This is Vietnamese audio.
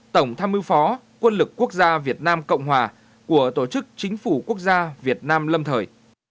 tổng tham mưu phó quân lực quốc gia việt nam cộng hòa của tổ chức chính phủ quốc gia việt nam lâm thời